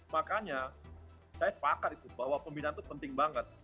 makanya saya sepakat itu bahwa pembinaan itu penting banget